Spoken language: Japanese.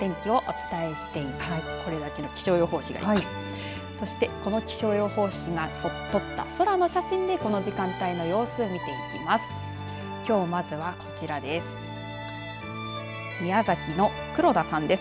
そしてこの気象予報士がとった空の写真で、この時間の様子を見ていきます。